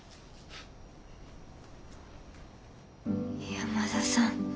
山田さん。